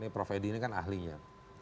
prof edi ini kan ahlinya